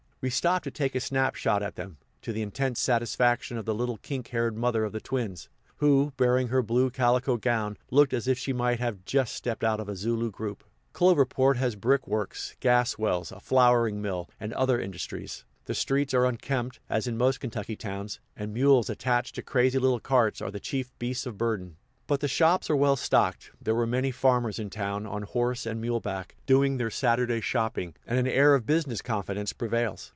We stopped to take a snap shot at them, to the intense satisfaction of the little kink haired mother of the twins, who, barring her blue calico gown, looked as if she might have just stepped out of a Zulu group. Cloverport has brick works, gas wells, a flouring mill, and other industries. The streets are unkempt, as in most Kentucky towns, and mules attached to crazy little carts are the chief beasts of burden; but the shops are well stocked; there were many farmers in town, on horse and mule back, doing their Saturday shopping; and an air of business confidence prevails.